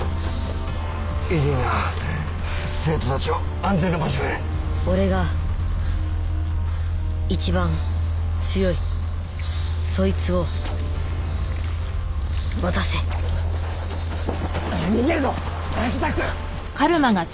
イリーナ生徒たちを安全な場所へ俺が一番強いそいつを渡せ逃げるぞ渚君！